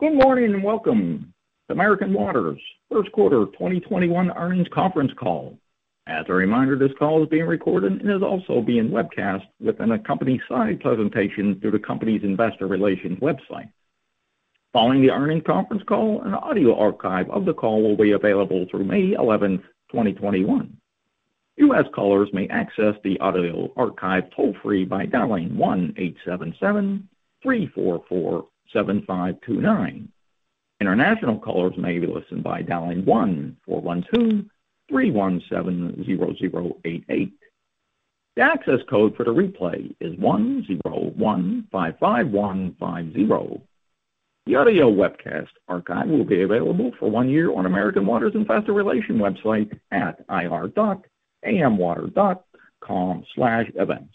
,Good morning and welcome to American Water's first quarter 2021 earnings conference call. As a reminder, this call is being recorded and is also being webcast with a company slide presentation through the company's investor relations website. Following the earnings conference call, an audio archive of the call will be available through May 11, 2021. U.S. callers may access the audio archive toll-free by dialing 1-877-344-7529. International callers may listen by dialing 1-412-317-0088. The access code for the replay is 10155150. The audio webcast archive will be available for one year on American Water's investor relations website at ir.amwater.com/events.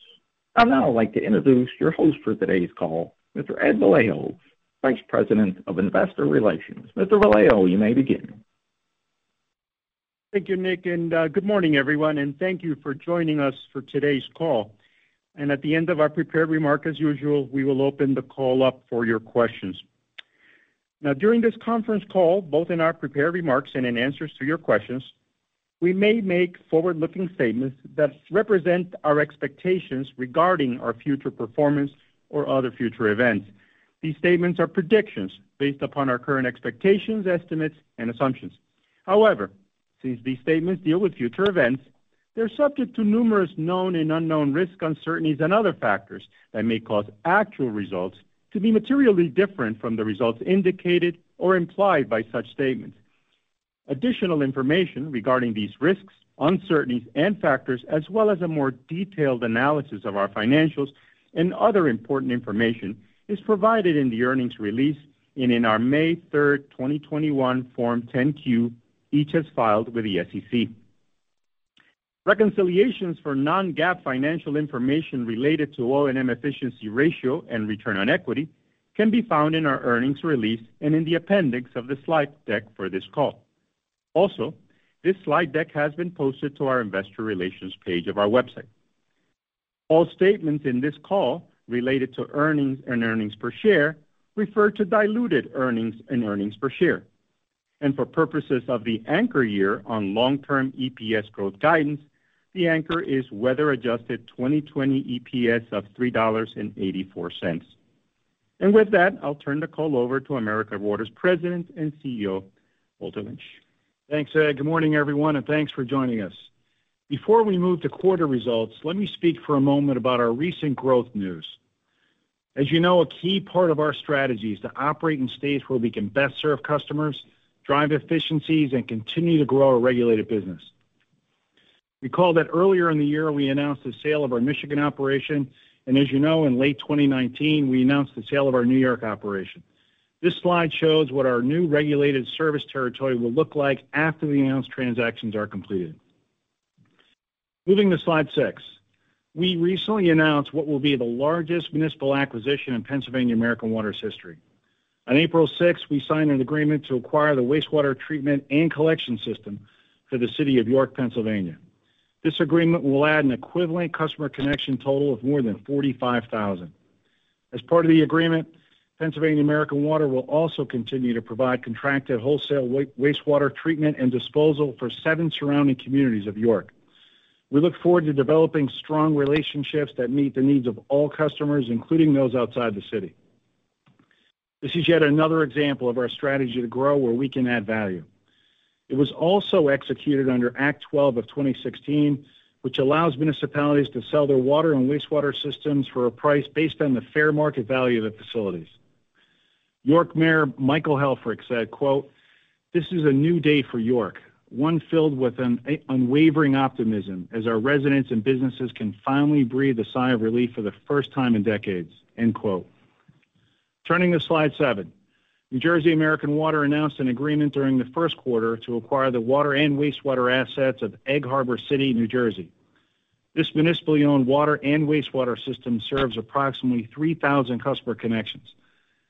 I'd now like to introduce your host for today's call, Mr. Ed Vallejo, Vice President of Investor Relations. Mr. Vallejo, you may begin. Thank you, Nick. Good morning, everyone. Thank you for joining us for today's call. At the end of our prepared remarks as usual, we will open the call up for your questions. Now, during this conference call, both in our prepared remarks and in answers to your questions, we may make forward-looking statements that represent our expectations regarding our future performance or other future events. These statements are predictions based upon our current expectations, estimates, and assumptions. However, since these statements deal with future events, they're subject to numerous known and unknown risks, uncertainties, and other factors that may cause actual results to be materially different from the results indicated or implied by such statements. Additional information regarding these risks, uncertainties, and factors, as well as a more detailed analysis of our financials and other important information, is provided in the earnings release and in our May 3rd, 2021 Form 10-Q, each as filed with the SEC. Reconciliations for non-GAAP financial information related to O&M efficiency ratio and return on equity can be found in our earnings release and in the appendix of the slide deck for this call. Also, this slide deck has been posted to our investor relations page of our website. All statements in this call related to earnings and earnings per share refer to diluted earnings and earnings per share. For purposes of the anchor year on long-term EPS growth guidance, the anchor is weather-adjusted 2020 EPS of $3.84. With that, I'll turn the call over to American Water's President and CEO, Walter Lynch. Thanks, Ed. Good morning, everyone, and thanks for joining us. Before we move to quarter results, let me speak for a moment about our recent growth news. As you know, a key part of our strategy is to operate in states where we can best serve customers, drive efficiencies, and continue to grow our regulated business. Recall that earlier in the year, we announced the sale of our Michigan operation, and as you know, in late 2019, we announced the sale of our New York operation. This slide shows what our new regulated service territory will look like after the announced transactions are completed. Moving to slide six. We recently announced what will be the largest municipal acquisition in Pennsylvania American Water's history. On April 6th, we signed an agreement to acquire the wastewater treatment and collection system for the City of York, Pennsylvania. This agreement will add an equivalent customer connection total of more than 45,000. As part of the agreement, Pennsylvania American Water will also continue to provide contracted wholesale wastewater treatment and disposal for seven surrounding communities of York. We look forward to developing strong relationships that meet the needs of all customers, including those outside the city. This is yet another example of our strategy to grow where we can add value. It was also executed under Act 12 of 2016, which allows municipalities to sell their water and wastewater systems for a price based on the fair market value of the facilities. York Mayor Michael Helfrich said, quote, "This is a new day for York. One filled with an unwavering optimism, as our residents and businesses can finally breathe a sigh of relief for the first time in decades." End quote. Turning to slide seven. New Jersey American Water announced an agreement during the first quarter to acquire the water and wastewater assets of Egg Harbor City, New Jersey. This municipally owned water and wastewater system serves approximately 3,000 customer connections.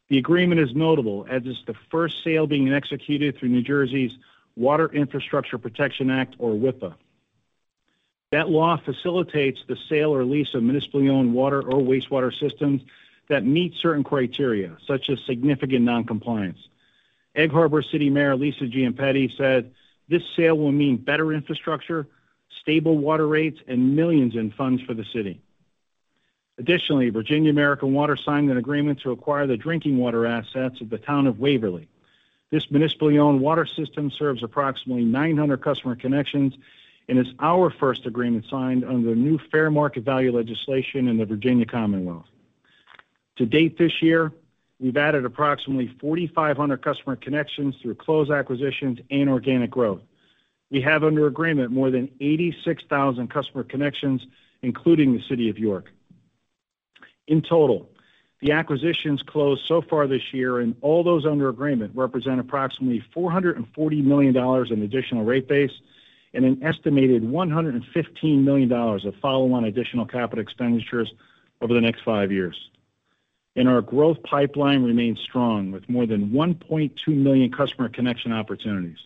The agreement is notable as it's the first sale being executed through New Jersey's Water Infrastructure Protection Act, or WIPA. That law facilitates the sale or lease of municipally owned water or wastewater systems that meet certain criteria, such as significant non-compliance. Egg Harbor City Mayor Lisa Jiampetti said, "This sale will mean better infrastructure, stable water rates, and millions in funds for the city." Additionally, Virginia American Water signed an agreement to acquire the drinking water assets of the town of Waverly. This municipally owned water system serves approximately 900 customer connections and is our first agreement signed under the new fair market value legislation in the Virginia Commonwealth. To date this year, we've added approximately 4,500 customer connections through closed acquisitions and organic growth. We have under agreement more than 86,000 customer connections, including the City of York. In total, the acquisitions closed so far this year, and all those under agreement represent approximately $440 million in additional rate base and an estimated $115 million of follow-on additional capital expenditures over the next five years. Our growth pipeline remains strong with more than 1.2 million customer connection opportunities.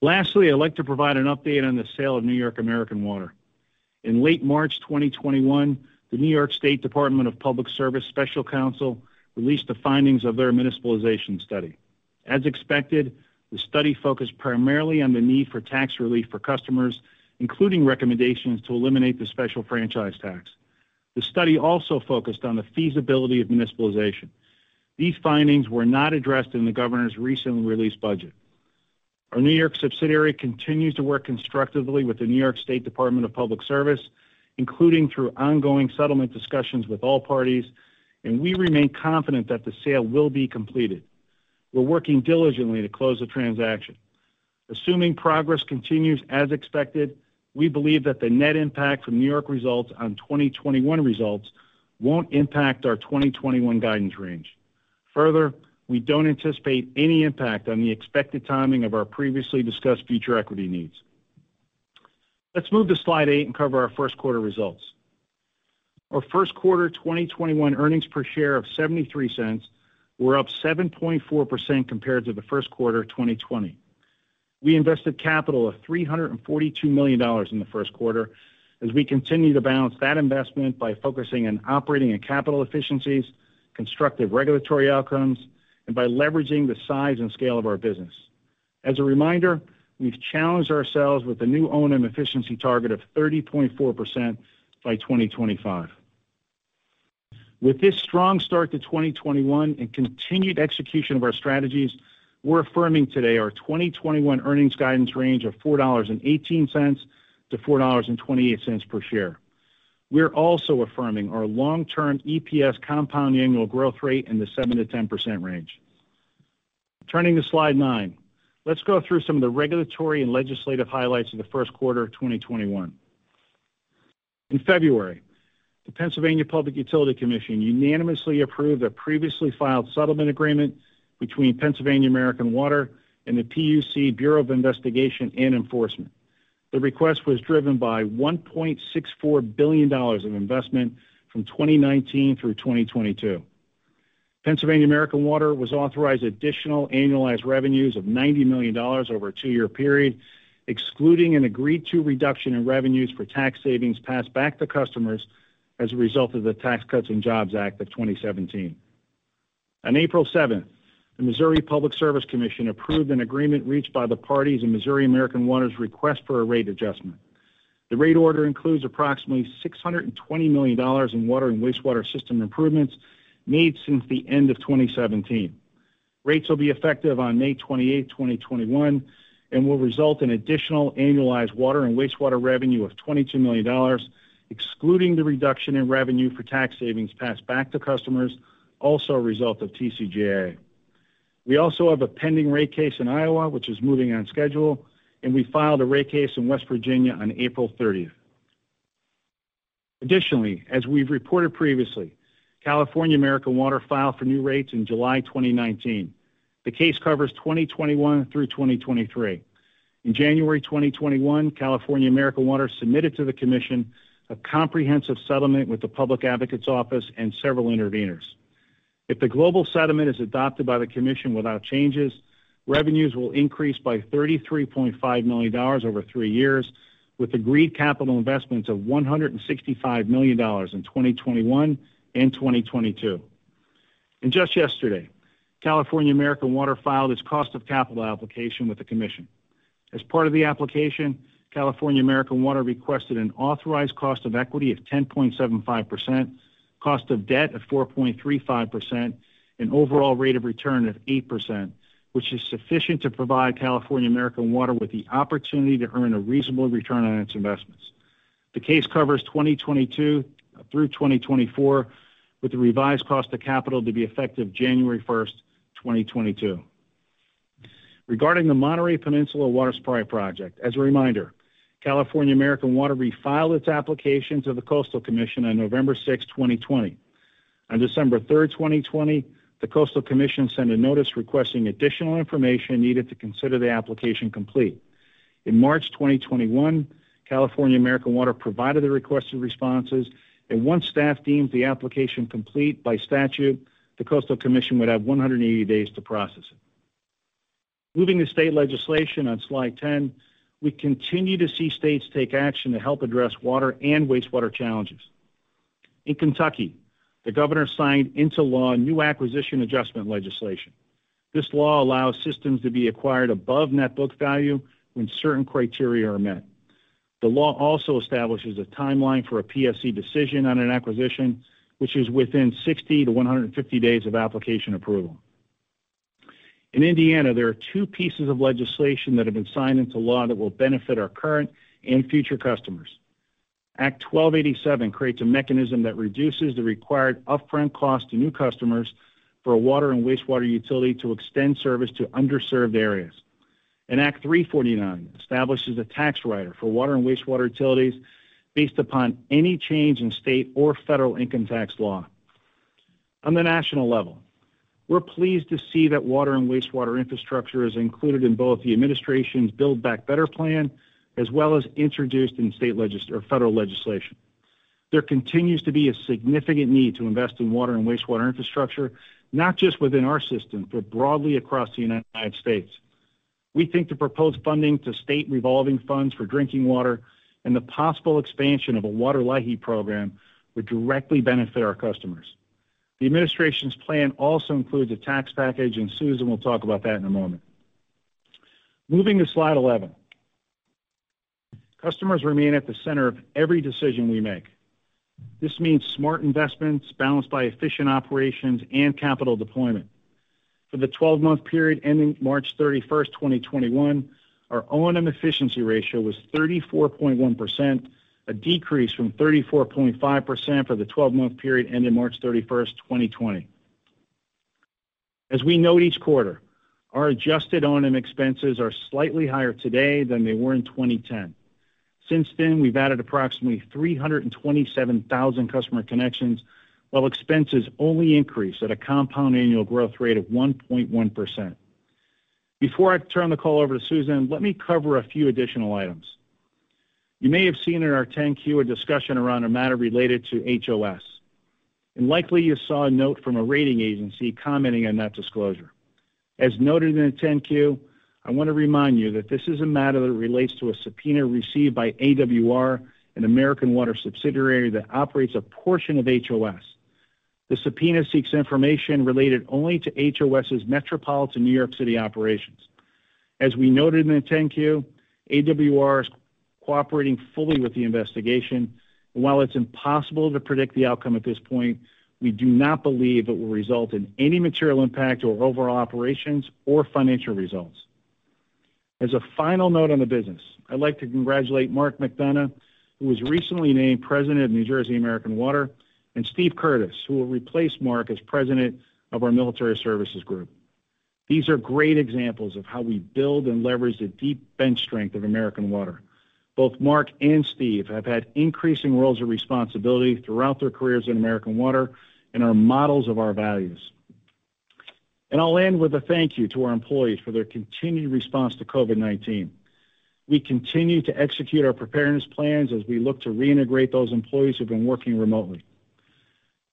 Lastly, I'd like to provide an update on the sale of New York American Water. In late March 2021, the New York State Department of Public Service Special Counsel released the findings of their municipalization study. As expected, the study focused primarily on the need for tax relief for customers, including recommendations to eliminate the special franchise tax. The study also focused on the feasibility of municipalization. These findings were not addressed in the governor's recently released budget. Our New York subsidiary continues to work constructively with the New York State Department of Public Service, including through ongoing settlement discussions with all parties, and we remain confident that the sale will be completed. We're working diligently to close the transaction. Assuming progress continues as expected, we believe that the net impact from New York results on 2021 results won't impact our 2021 guidance range. Further, we don't anticipate any impact on the expected timing of our previously discussed future equity needs. Let's move to slide eight and cover our first quarter results. Our first quarter 2021 earnings per share of $0.73 were up 7.4% compared to the first quarter 2020. We invested capital of $342 million in the first quarter as we continue to balance that investment by focusing on operating and capital efficiencies, constructive regulatory outcomes, and by leveraging the size and scale of our business. As a reminder, we've challenged ourselves with a new O&M efficiency target of 30.4% by 2025. With this strong start to 2021 and continued execution of our strategies, we're affirming today our 2021 earnings guidance range of $4.18-$4.28 per share. We're also affirming our long-term EPS compounding annual growth rate in the 7%-10% range. Turning to slide nine, let's go through some of the regulatory and legislative highlights of the first quarter of 2021. In February, the Pennsylvania Public Utility Commission unanimously approved a previously filed settlement agreement between Pennsylvania American Water and the PUC Bureau of Investigation and Enforcement. The request was driven by $1.64 billion of investment from 2019 through 2022. Pennsylvania American Water was authorized additional annualized revenues of $90 million over a two-year period, excluding an agreed-to reduction in revenues for tax savings passed back to customers as a result of the Tax Cuts and Jobs Act of 2017. On April 7th, the Missouri Public Service Commission approved an agreement reached by the parties in Missouri American Water's request for a rate adjustment. The rate order includes approximately $620 million in water and wastewater system improvements made since the end of 2017. Rates will be effective on May 28th, 2021 and will result in additional annualized water and wastewater revenue of $22 million, excluding the reduction in revenue for tax savings passed back to customers, also a result of TCJA. We also have a pending rate case in Iowa, which is moving on schedule, and we filed a rate case in West Virginia on April 30th. Additionally, as we've reported previously, California American Water filed for new rates in July 2019. The case covers 2021 through 2023. In January 2021, California American Water submitted to the commission a comprehensive settlement with the Public Advocates Office and several interveners. If the global settlement is adopted by the commission without changes, revenues will increase by $33.5 million over three years, with agreed capital investments of $165 million in 2021 and 2022. Just yesterday, California American Water filed its cost of capital application with the commission. As part of the application, California American Water requested an authorized cost of equity of 10.75%, cost of debt of 4.35%, and overall rate of return of 8%, which is sufficient to provide California American Water with the opportunity to earn a reasonable return on its investments. The case covers 2022 through 2024, with the revised cost of capital to be effective January 1st, 2022. Regarding the Monterey Peninsula Water Supply Project, as a reminder, California American Water refiled its application to the Coastal Commission on November 6th, 2020. On December 3rd, 2020, the Coastal Commission sent a notice requesting additional information needed to consider the application complete. In March 2021, California American Water provided the requested responses, and once staff deems the application complete by statute, the Coastal Commission would have 180 days to process it. Moving to state legislation on slide 10, we continue to see states take action to help address water and wastewater challenges. In Kentucky, the governor signed into law new acquisition adjustment legislation. This law allows systems to be acquired above net book value when certain criteria are met. The law also establishes a timeline for a PSC decision on an acquisition, which is within 60-150 days of application approval. In Indiana, there are two pieces of legislation that have been signed into law that will benefit our current and future customers. Act 1287 creates a mechanism that reduces the required upfront cost to new customers for a water and wastewater utility to extend service to underserved areas, and Act 349 establishes a tax rider for water and wastewater utilities based upon any change in state or federal income tax law. On the national level, we're pleased to see that water and wastewater infrastructure is included in both the administration's Build Back Better Plan as well as introduced in federal legislation. There continues to be a significant need to invest in water and wastewater infrastructure, not just within our system, but broadly across the United States. We think the proposed funding to state revolving funds for drinking water and the possible expansion of a Water LIHEAP program would directly benefit our customers. The administration's plan also includes a tax package, and Susan will talk about that in a moment. Moving to slide 11. Customers remain at the center of every decision we make. This means smart investments balanced by efficient operations and capital deployment. For the 12-month period ending March 31st, 2021, our O&M efficiency ratio was 34.1%, a decrease from 34.5% for the 12-month period ending March 31st, 2020. As we note each quarter, our adjusted O&M expenses are slightly higher today than they were in 2010. Since then, we've added approximately 327,000 customer connections, while expenses only increased at a compound annual growth rate of 1.1%. Before I turn the call over to Susan, let me cover a few additional items. You may have seen in our 10-Q a discussion around a matter related to HOS, and likely you saw a note from a rating agency commenting on that disclosure. As noted in the 10-Q, I want to remind you that this is a matter that relates to a subpoena received by AWR, an American Water subsidiary that operates a portion of HOS. The subpoena seeks information related only to HOS's metropolitan New York City operations. As we noted in the 10-Q, AWR is cooperating fully with the investigation. While it's impossible to predict the outcome at this point, we do not believe it will result in any material impact to our overall operations or financial results. As a final note on the business, I'd like to congratulate Mark McDonough, who was recently named President of New Jersey American Water, and Steve Curtis, who will replace Mark as President of our Military Services Group. These are great examples of how we build and leverage the deep bench strength of American Water. Both Mark and Steve have had increasing roles of responsibility throughout their careers in American Water and are models of our values. I'll end with a thank you to our employees for their continued response to COVID-19. We continue to execute our preparedness plans as we look to reintegrate those employees who've been working remotely.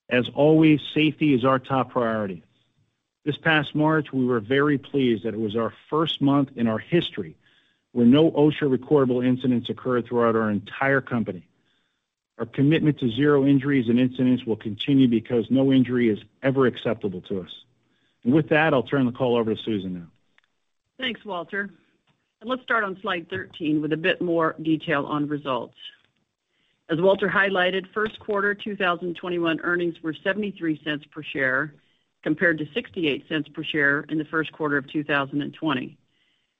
As always, safety is our top priority. This past March, we were very pleased that it was our first month in our history where no OSHA recordable incidents occurred throughout our entire company. Our commitment to zero injuries and incidents will continue because no injury is ever acceptable to us. With that, I'll turn the call over to Susan now. Thanks, Walter. Let's start on slide 13 with a bit more detail on results. As Walter highlighted, first quarter 2021 earnings were $0.73 per share, compared to $0.68 per share in the first quarter of 2020.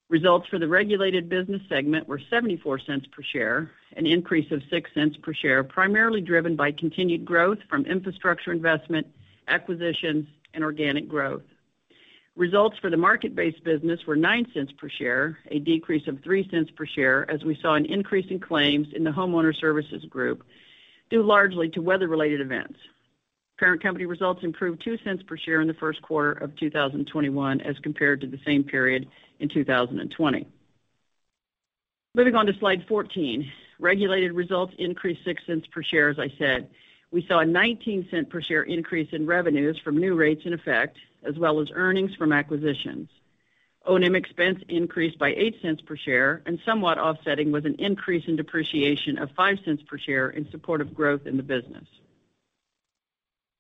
Results for the regulated business segment were $0.74 per share, an increase of $0.06 per share, primarily driven by continued growth from infrastructure investment, acquisitions, and organic growth. Results for the market-based business were $0.09 per share, a decrease of $0.03 per share, as we saw an increase in claims in the Homeowner Services Group due largely to weather-related events. Parent company results improved $0.02 per share in the first quarter of 2021 as compared to the same period in 2020. Moving on to slide 14. Regulated results increased $0.06 per share, as I said. We saw a $0.19 per share increase in revenues from new rates in effect, as well as earnings from acquisitions. O&M expense increased by $0.08 per share, and somewhat offsetting was an increase in depreciation of $0.05 per share in support of growth in the business.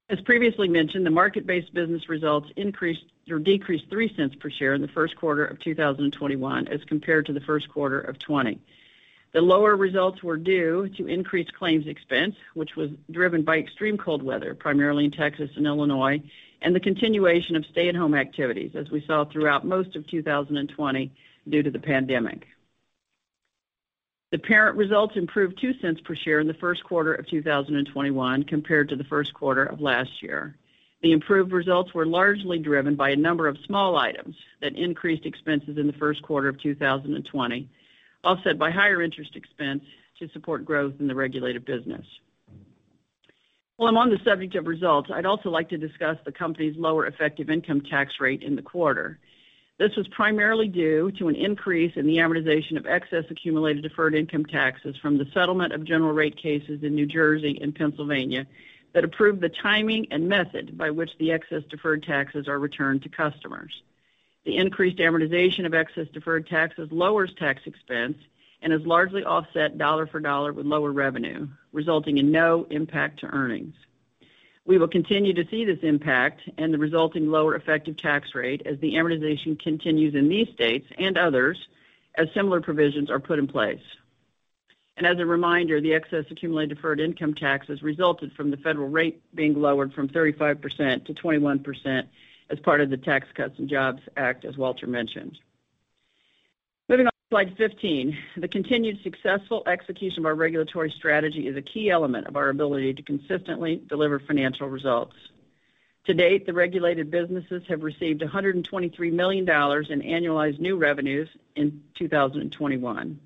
As previously mentioned, the market-based business results decreased $0.03 per share in the first quarter of 2021 as compared to the first quarter of 2020. The lower results were due to increased claims expense, which was driven by extreme cold weather, primarily in Texas and Illinois, and the continuation of stay-at-home activities, as we saw throughout most of 2020 due to the pandemic. The parent results improved $0.02 per share in the first quarter of 2021 compared to the first quarter of last year. The improved results were largely driven by a number of small items that increased expenses in the first quarter of 2020, offset by higher interest expense to support growth in the regulated business. While I'm on the subject of results, I'd also like to discuss the company's lower effective income tax rate in the quarter. This was primarily due to an increase in the amortization of excess accumulated deferred income taxes from the settlement of general rate cases in New Jersey and Pennsylvania that approved the timing and method by which the excess deferred taxes are returned to customers. The increased amortization of excess deferred taxes lowers tax expense and is largely offset dollar for dollar with lower revenue, resulting in no impact to earnings. We will continue to see this impact and the resulting lower effective tax rate as the amortization continues in these states and others as similar provisions are put in place. As a reminder, the excess accumulated deferred income taxes resulted from the federal rate being lowered from 35% to 21% as part of the Tax Cuts and Jobs Act, as Walter mentioned. Moving on to slide 15. The continued successful execution of our regulatory strategy is a key element of our ability to consistently deliver financial results. To date, the regulated businesses have received $123 million in annualized new revenues in 2021.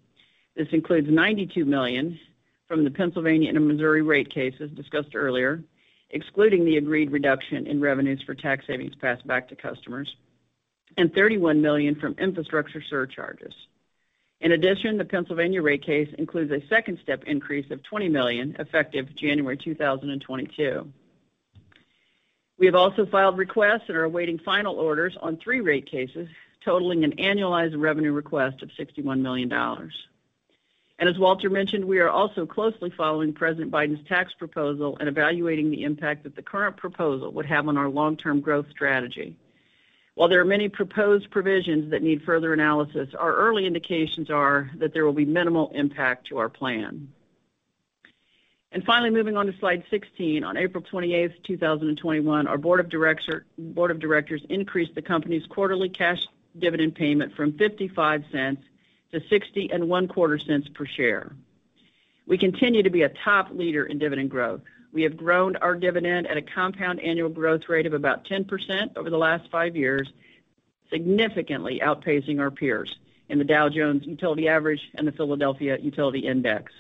This includes $92 million from the Pennsylvania and Missouri rate cases discussed earlier, excluding the agreed reduction in revenues for tax savings passed back to customers. $31 million from infrastructure surcharges. In addition, the Pennsylvania rate case includes a second-step increase of $20 million effective January 2022. We have also filed requests and are awaiting final orders on three rate cases totaling an annualized revenue request of $61 million. As Walter mentioned, we are also closely following President Biden's tax proposal and evaluating the impact that the current proposal would have on our long-term growth strategy. While there are many proposed provisions that need further analysis, our early indications are that there will be minimal impact to our plan. Finally, moving on to slide 16. On April 28th, 2021, our board of directors increased the company's quarterly cash dividend payment from $0.55 to $0.6025 per share. We continue to be a top leader in dividend growth. We have grown our dividend at a compound annual growth rate of about 10% over the last five years, significantly outpacing our peers in the Dow Jones Utility Average and the PHLX Utility Sector Index.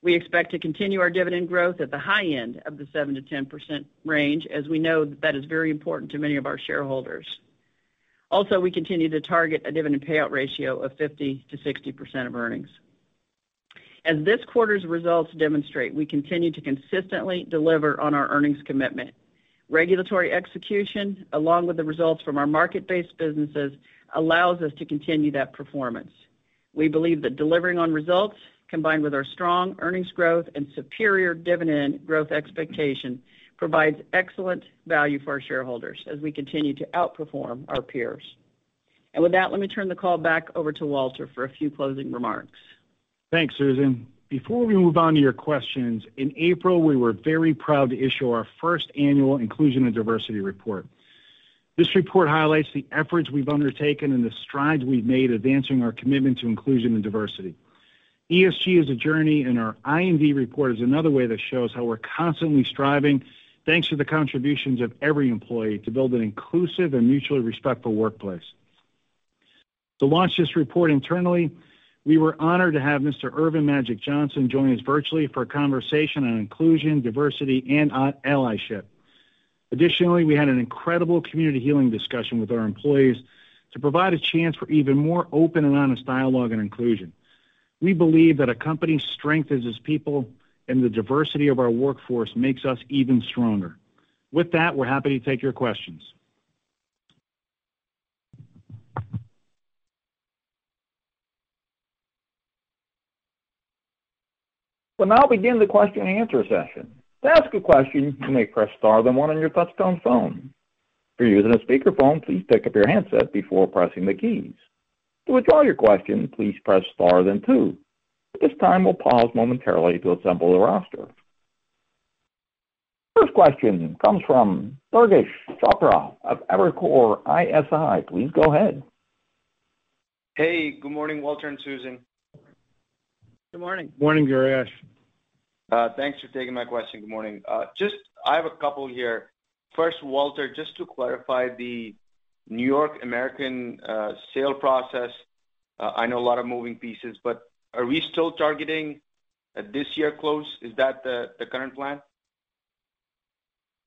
We expect to continue our dividend growth at the high end of the 7% to 10% range, as we know that is very important to many of our shareholders. We continue to target a dividend payout ratio of 50%-60% of earnings. As this quarter's results demonstrate, we continue to consistently deliver on our earnings commitment. Regulatory execution, along with the results from our market-based businesses, allows us to continue that performance. We believe that delivering on results, combined with our strong earnings growth and superior dividend growth expectation, provides excellent value for our shareholders as we continue to outperform our peers. With that, let me turn the call back over to Walter for a few closing remarks. Thanks, Susan. Before we move on to your questions, in April, we were very proud to issue our first annual Inclusion and Diversity Report. This report highlights the efforts we've undertaken and the strides we've made advancing our commitment to inclusion and diversity. ESG is a journey, and our I&D report is another way that shows how we're constantly striving, thanks to the contributions of every employee, to build an inclusive and mutually respectful workplace. To launch this report internally, we were honored to have Mr. Earvin "Magic" Johnson join us virtually for a conversation on inclusion, diversity, and allyship. Additionally, we had an incredible community healing discussion with our employees to provide a chance for even more open and honest dialogue and inclusion. We believe that a company's strength is its people, and the diversity of our workforce makes us even stronger. With that, we're happy to take your questions. We'll now begin the question and answer session. To ask a question, you may press star then one on your touch-tone phone. If you're using a speakerphone, please pick up your handset before pressing the keys. To withdraw your question, please press star then two. At this time, we'll pause momentarily to assemble the roster. First question comes from Durgesh Chopra of Evercore ISI. Please go ahead. Hey, good morning, Walter and Susan. Good morning. Morning, Durgesh. Thanks for taking my question. Good morning. I have a couple here. First, Walter, just to clarify the New York American sale process. I know a lot of moving pieces, are we still targeting a this year close? Is that the current plan?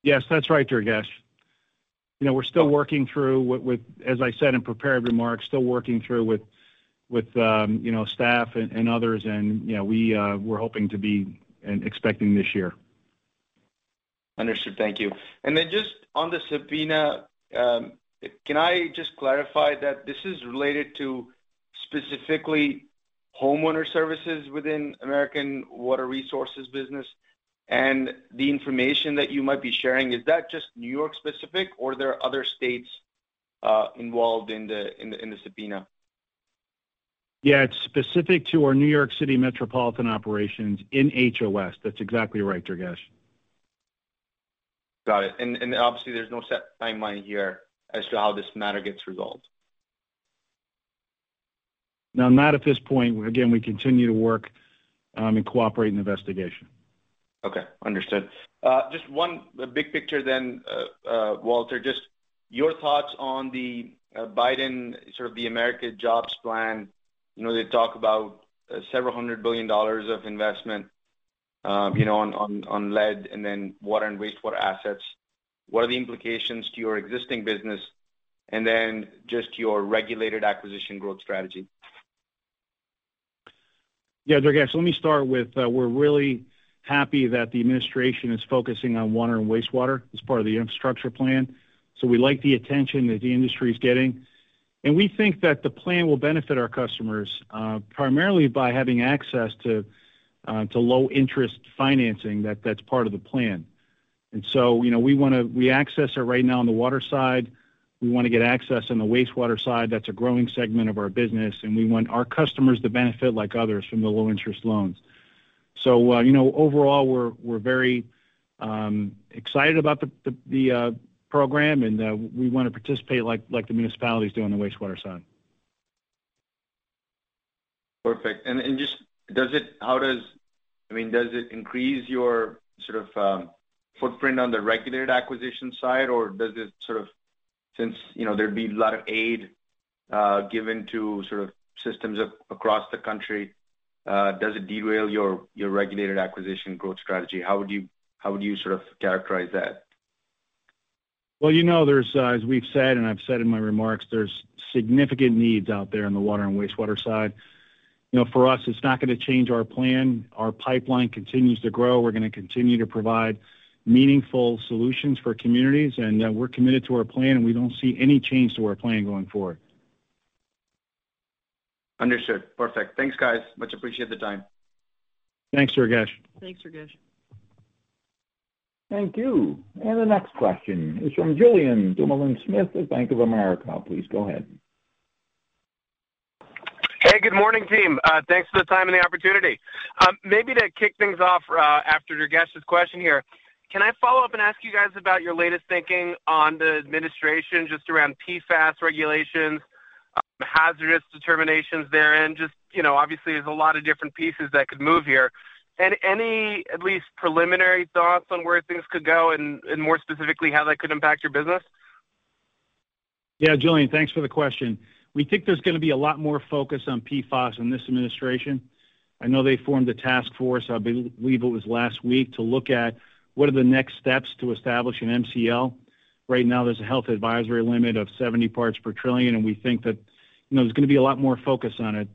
Yes, that's right, Durgesh. We're still working through, as I said in prepared remarks, still working through with staff and others, and we're hoping to be and expecting this year. Understood. Thank you. Just on the subpoena, can I just clarify that this is related to specifically Homeowner Services within American Water Resources business? The information that you might be sharing, is that just New York specific, or there are other states involved in the subpoena? Yeah, it's specific to our New York City metropolitan operations in HOS. That's exactly right, Durgesh. Got it. Obviously, there's no set timeline here as to how this matter gets resolved. No, not at this point. We continue to work and cooperate in the investigation. Okay. Understood. Just one big picture, Walter, just your thoughts on the Biden, sort of the American Jobs Plan. They talk about several hundred billion dollars of investment on lead and then water and wastewater assets. What are the implications to your existing business? Just your regulated acquisition growth strategy. Durgesh, let me start with we're really happy that the administration is focusing on water and wastewater as part of the infrastructure plan. We like the attention that the industry's getting, and we think that the plan will benefit our customers primarily by having access to low-interest financing that's part of the plan. We access it right now on the water side. We want to get access on the wastewater side. That's a growing segment of our business, and we want our customers to benefit like others from the low-interest loans. Overall, we're very excited about the program, and we want to participate like the municipalities doing on the wastewater side. Perfect. Does it increase your sort of footprint on the regulated acquisition side, or does it sort of, since there'd be a lot of aid given to systems across the country, does it derail your regulated acquisition growth strategy? How would you characterize that? Well, as we've said and I've said in my remarks, there's significant needs out there in the water and wastewater side. For us, it's not going to change our plan. Our pipeline continues to grow. We're going to continue to provide meaningful solutions for communities, and we're committed to our plan, and we don't see any change to our plan going forward. Understood. Perfect. Thanks, guys. Much appreciate the time. Thanks, Durgesh. Thanks, Durgesh. Thank you. The next question is from Julien Dumoulin-Smith of Bank of America. Please go ahead. Hey, good morning, team. Thanks for the time and the opportunity. Maybe to kick things off, after Durgesh Chopra's question here, can I follow up and ask you guys about your latest thinking on the administration, just around PFAS regulations, hazardous determinations therein? Obviously, there's a lot of different pieces that could move here. Any at least preliminary thoughts on where things could go and, more specifically, how that could impact your business? Yeah, Julien, thanks for the question. We think there's going to be a lot more focus on PFAS in this administration. I know they formed a task force, I believe it was last week, to look at what are the next steps to establish an MCL. Right now, there's a health advisory limit of 70 parts per trillion, and we think that there's going to be a lot more focus on it.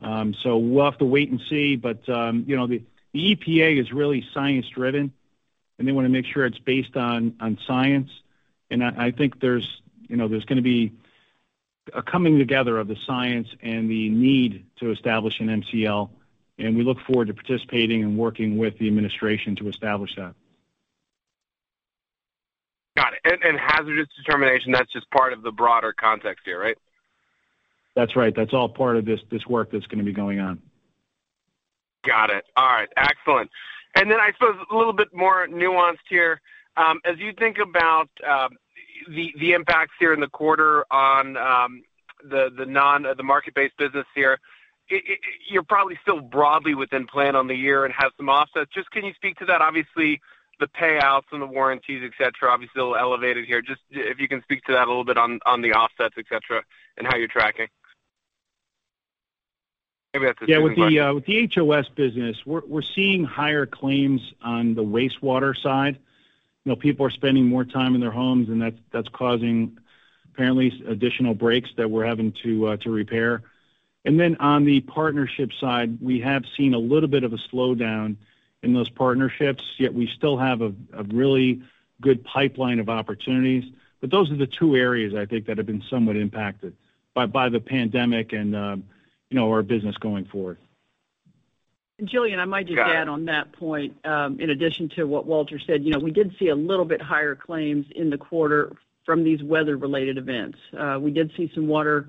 We'll have to wait and see, but the EPA is really science-driven, and they want to make sure it's based on science. I think there's going to be a coming together of the science and the need to establish an MCL, and we look forward to participating and working with the administration to establish that. Got it. Hazardous determination, that's just part of the broader context here, right? That's right. That's all part of this work that's going to be going on. Got it. All right, excellent. I suppose a little bit more nuanced here. As you think about the impacts here in the quarter on the market-based business here, you're probably still broadly within plan on the year and have some offsets. Just can you speak to that? Obviously, the payouts and the warranties, et cetera, obviously a little elevated here. Just if you can speak to that a little bit on the offsets, et cetera, and how you're tracking. Maybe that's a two-part question. Yeah, with the HOS business, we're seeing higher claims on the wastewater side. People are spending more time in their homes, that's causing apparently additional breaks that we're having to repair. On the partnership side, we have seen a little bit of a slowdown in those partnerships, yet we still have a really good pipeline of opportunities. Those are the two areas I think that have been somewhat impacted by the pandemic and our business going forward. Julien, I might just add on that point, in addition to what Walter said. We did see a little bit higher claims in the quarter from these weather-related events. We did see some water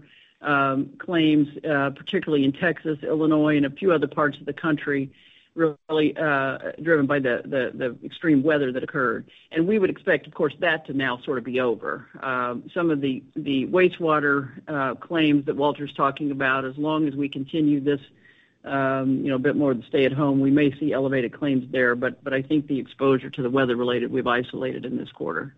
claims, particularly in Texas, Illinois, and a few other parts of the country, really driven by the extreme weather that occurred. We would expect, of course, that to now sort of be over. Some of the wastewater claims that Walter's talking about, as long as we continue this bit more of the stay at home, we may see elevated claims there. I think the exposure to the weather-related, we've isolated in this quarter.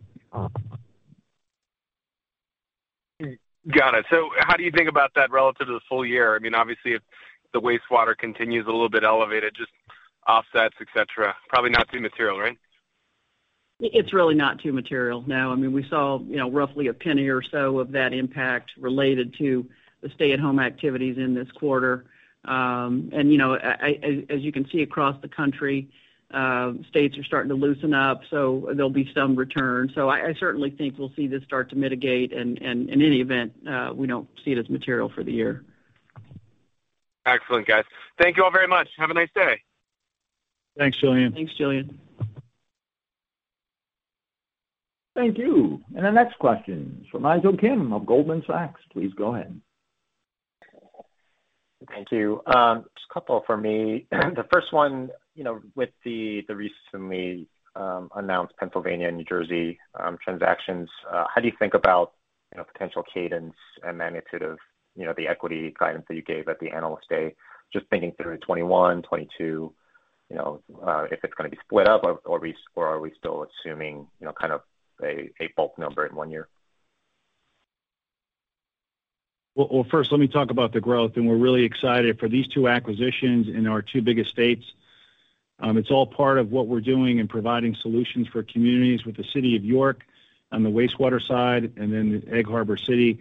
Got it. How do you think about that relative to the full year? Obviously, if the wastewater continues a little bit elevated, just offsets, et cetera. Probably not too material, right? It's really not too material, no. We saw roughly $0.01 or so of that impact related to the stay-at-home activities in this quarter. As you can see across the country, states are starting to loosen up, so there'll be some return. I certainly think we'll see this start to mitigate, and in any event, we don't see it as material for the year. Excellent, guys. Thank you all very much. Have a nice day. Thanks, Julien. Thanks, Julien. Thank you. The next question is from Andrew Kim of Goldman Sachs. Please go ahead. Thank you. Just a couple for me. The first one, with the recently announced Pennsylvania and New Jersey transactions, how do you think about potential cadence and magnitude of the equity guidance that you gave at the Analyst Day? Just thinking through 2021, 2022, if it's going to be split up or are we still assuming a bulk number in one year? First let me talk about the growth, and we're really excited for these two acquisitions in our two biggest states. It's all part of what we're doing in providing solutions for communities with the City of York on the wastewater side and then Egg Harbor City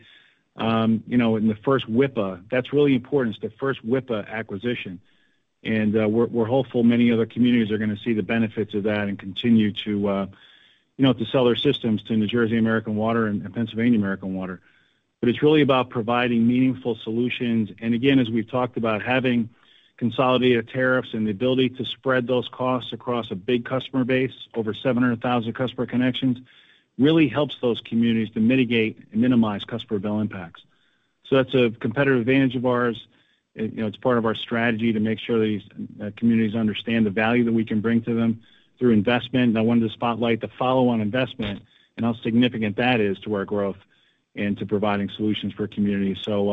in the first WIPA. That's really important. It's the first WIPA acquisition. We're hopeful many other communities are going to see the benefits of that and continue to sell their systems to New Jersey American Water and Pennsylvania American Water. It's really about providing meaningful solutions. Again, as we've talked about, having consolidated tariffs and the ability to spread those costs across a big customer base, over 700,000 customer connections, really helps those communities to mitigate and minimize customer bill impacts. That's a competitive advantage of ours. It's part of our strategy to make sure these communities understand the value that we can bring to them through investment. I wanted to spotlight the follow-on investment and how significant that is to our growth and to providing solutions for communities. We're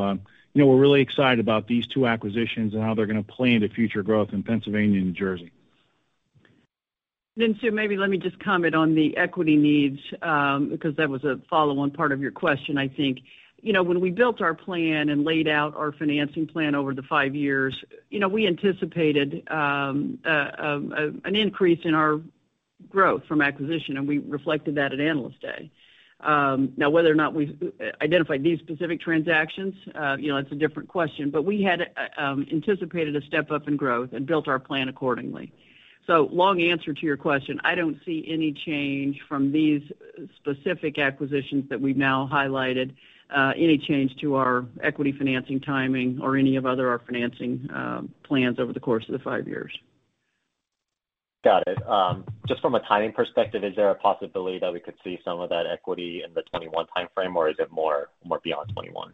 really excited about these two acquisitions and how they're going to play into future growth in Pennsylvania and New Jersey. Sue, maybe let me just comment on the equity needs, because that was a follow-on part of your question, I think. When we built our plan and laid out our financing plan over the five years, we anticipated an increase in our growth from acquisition, and we reflected that at Analyst Day. Now, whether or not we've identified these specific transactions, it's a different question, but we had anticipated a step up in growth and built our plan accordingly. Long answer to your question, I don't see any change from these specific acquisitions that we've now highlighted, any change to our equity financing timing or any of other of our financing plans over the course of the five years. Got it. Just from a timing perspective, is there a possibility that we could see some of that equity in the 2021 timeframe, or is it more beyond 2021?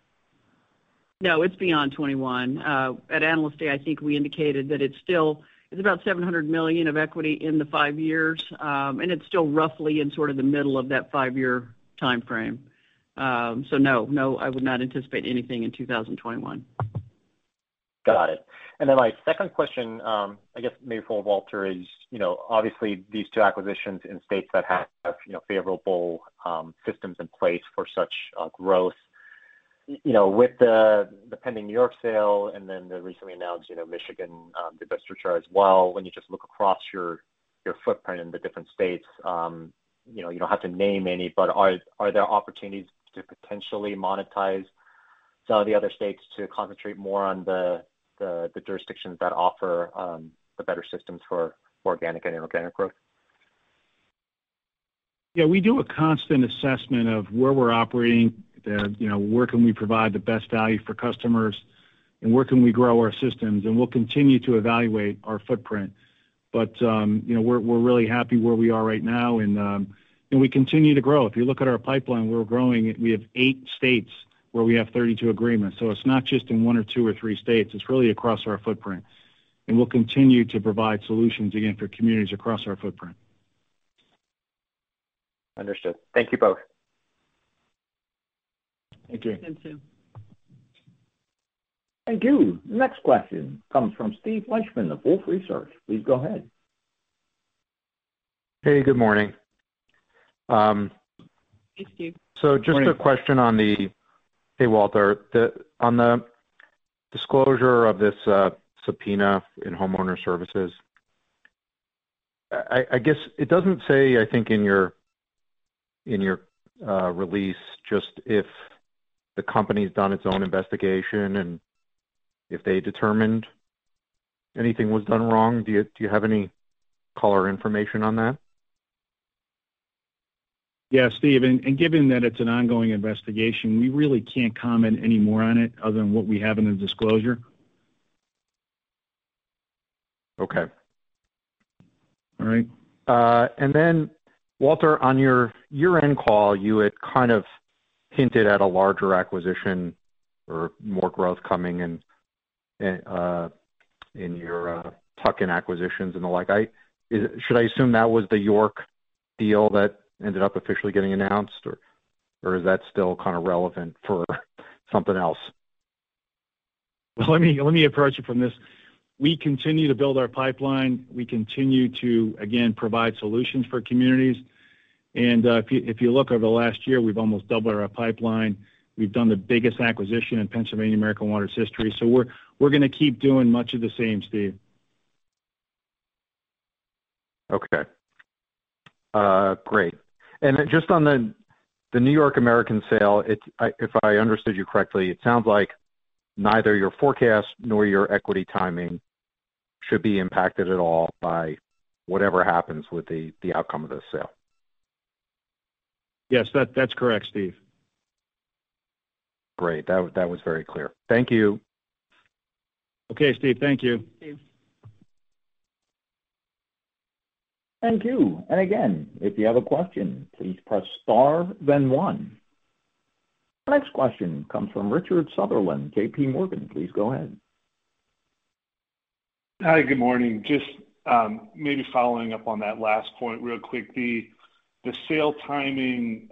No, it's beyond 2021. At Analyst Day, I think we indicated that it's about $700 million of equity in the five years, and it's still roughly in the middle of that five-year timeframe. No, I would not anticipate anything in 2021. Got it. My second question, I guess maybe for Walter, is obviously these two acquisitions in states that have favorable systems in place for such growth. With the pending New York sale and then the recently announced Michigan divestiture as well, when you just look across your footprint in the different states, you don't have to name any, but are there opportunities to potentially monetize some of the other states to concentrate more on the jurisdictions that offer the better systems for organic and inorganic growth? Yeah, we do a constant assessment of where we're operating, where can we provide the best value for customers, and where can we grow our systems. We'll continue to evaluate our footprint, but we're really happy where we are right now. We continue to grow. If you look at our pipeline, we're growing. We have eight states where we have 32 agreements. It's not just in one or two or three states, it's really across our footprint. We'll continue to provide solutions, again, for communities across our footprint. Understood. Thank you both. Thank you. Thanks, Andrew. Thank you. Next question comes from Steve Fleishman of Wolfe Research. Please go ahead. Hey, good morning. Hey, Steve. Hey, Walter. On the disclosure of this subpoena in Homeowner Services, I guess it doesn't say, I think, in your release just if the company's done its own investigation and if they determined anything was done wrong. Do you have any color or information on that? Yeah, Steve, given that it's an ongoing investigation, we really can't comment any more on it other than what we have in the disclosure. Okay. All right. Walter, on your year-end call, you had kind of hinted at a larger acquisition or more growth coming in your tuck-in acquisitions and the like. Should I assume that was the York deal that ended up officially getting announced, or is that still kind of relevant for something else? Well, let me approach it from this. We continue to build our pipeline. We continue to, again, provide solutions for communities. If you look over the last year, we've almost doubled our pipeline. We've done the biggest acquisition in Pennsylvania American Water's history. We're going to keep doing much of the same, Steve. Okay. Great. Just on the New York American sale, if I understood you correctly, it sounds like neither your forecast nor your equity timing should be impacted at all by whatever happens with the outcome of the sale? Yes, that's correct, Steve. Great. That was very clear. Thank you. Okay, Steve. Thank you. Thanks. Thank you. Again, if you have a question, please press star, then one. Next question comes from Richard Sunderland, J.P. Morgan. Please go ahead. Hi, good morning. Maybe following up on that last point real quick. The sale timing,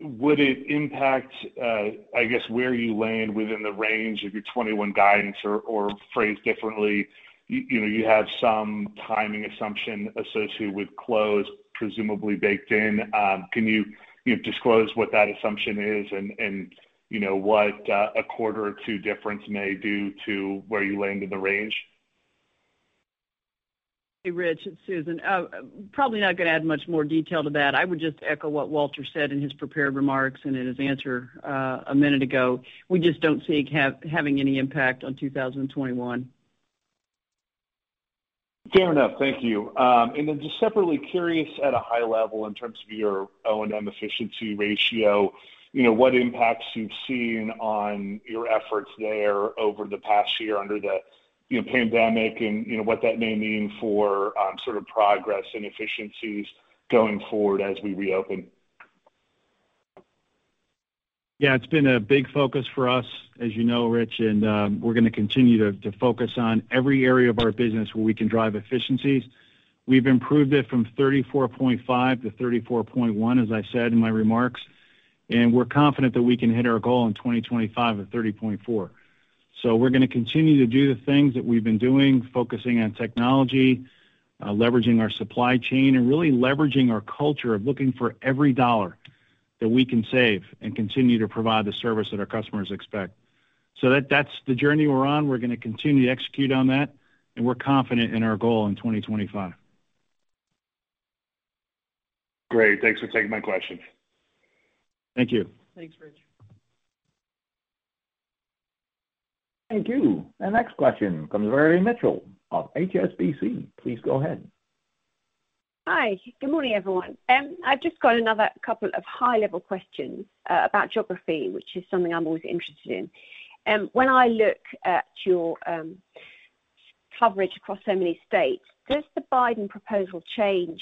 would it impact, I guess, where you land within the range of your 2021 guidance? Phrased differently, you have some timing assumption associated with close presumably baked in. Can you disclose what that assumption is and what a quarter or two difference may do to where you land in the range? Hey, Rich, it's Susan. Probably not going to add much more detail to that. I would just echo what Walter said in his prepared remarks and in his answer a minute ago. We just don't see it having any impact on 2021. Fair enough. Thank you. Just separately, curious at a high level in terms of your O&M efficiency ratio, what impacts you've seen on your efforts there over the past year under the pandemic and what that may mean for progress and efficiencies going forward as we reopen? Yeah, it's been a big focus for us, as you know, Rich, and we're going to continue to focus on every area of our business where we can drive efficiencies. We've improved it from 34.5% to 34.1%, as I said in my remarks, and we're confident that we can hit our goal in 2025 of 30.4%. We're going to continue to do the things that we've been doing, focusing on technology, leveraging our supply chain, and really leveraging our culture of looking for every dollar that we can save and continue to provide the service that our customers expect. That's the journey we're on. We're going to continue to execute on that, and we're confident in our goal in 2025. Great. Thanks for taking my question. Thank you. Thanks, Rich. Thank you. The next question comes from Verity Mitchell of HSBC. Please go ahead. Hi. Good morning, everyone. I've just got another couple of high-level questions about geography, which is something I'm always interested in. When I look at your coverage across so many states, does the Biden proposal change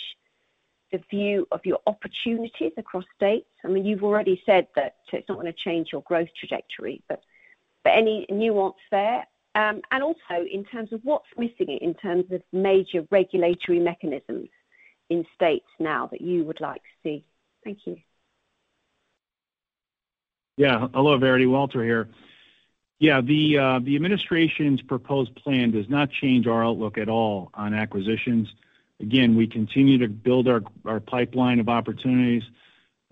the view of your opportunities across states? You've already said that it's not going to change your growth trajectory, but any nuance there? Also, in terms of what's missing in terms of major regulatory mechanisms in states now that you would like to see. Thank you. Hello, Verity. Walter here. The administration's proposed plan does not change our outlook at all on acquisitions. Again, we continue to build our pipeline of opportunities.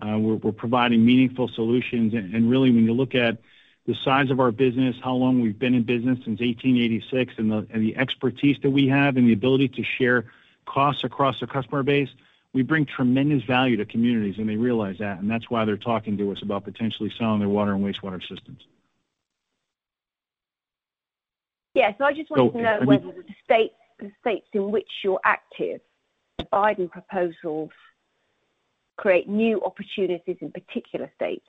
We're providing meaningful solutions. Really, when you look at the size of our business, how long we've been in business, since 1886, and the expertise that we have, and the ability to share costs across the customer base, we bring tremendous value to communities, they realize that. That's why they're talking to us about potentially selling their water and wastewater systems. Yeah. Go, Verity. whether the states in which you're active, the Biden proposals create new opportunities in particular states.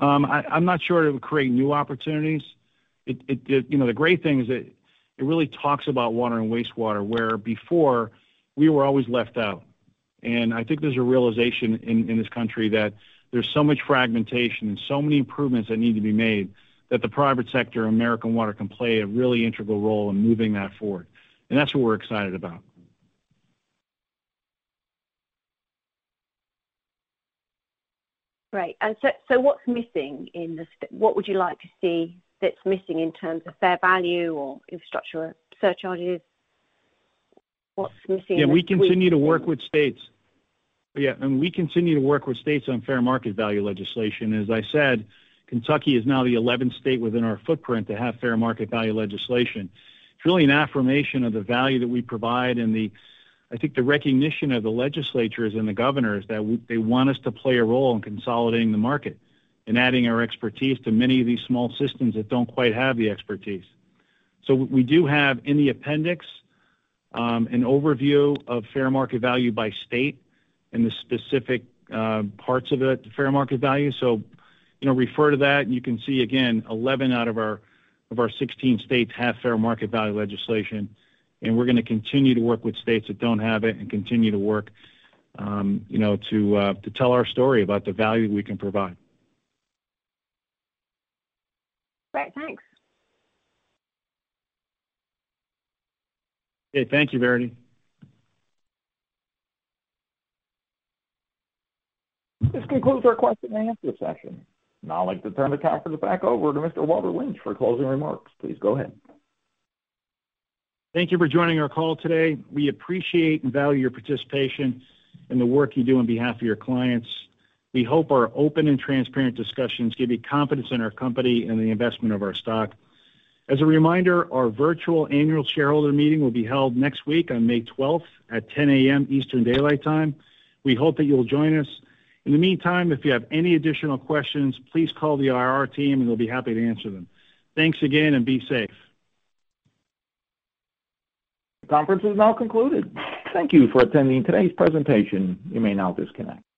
I'm not sure it would create new opportunities. The great thing is that it really talks about water and wastewater, where before, we were always left out. I think there's a realization in this country that there's so much fragmentation and so many improvements that need to be made, that the private sector, American Water can play a really integral role in moving that forward. That's what we're excited about. Great. What would you like to see that's missing in terms of fair value or infrastructure surcharges? Yeah, we continue to work with states on fair market value legislation. As I said, Kentucky is now the 11th state within our footprint to have fair market value legislation. It's really an affirmation of the value that we provide and I think the recognition of the legislatures and the governors that they want us to play a role in consolidating the market and adding our expertise to many of these small systems that don't quite have the expertise. We do have, in the appendix, an overview of fair market value by state and the specific parts of it, the fair market value. Refer to that, and you can see, again, 11 out of our 16 states have fair market value legislation. We're going to continue to work with states that don't have it and continue to work to tell our story about the value we can provide. Great. Thanks. Okay. Thank you, Verity. This concludes our question and answer session. I'd like to turn the conference back over to Mr. Walter Lynch for closing remarks. Please go ahead. Thank you for joining our call today. We appreciate and value your participation and the work you do on behalf of your clients. We hope our open and transparent discussions give you confidence in our company and the investment of our stock. As a reminder, our virtual annual shareholder meeting will be held next week on May 12th at 10:00 A.M. Eastern Daylight Time. We hope that you'll join us. In the meantime, if you have any additional questions, please call the IR team and they'll be happy to answer them. Thanks again, and be safe. Conference is now concluded. Thank you for attending today's presentation. You may now disconnect.